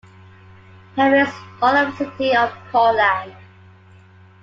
Homer is north of the city of Cortland.